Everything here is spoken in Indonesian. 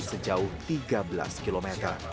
sejauh tiga belas km